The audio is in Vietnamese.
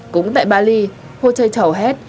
cũng tại bali hotel chauhet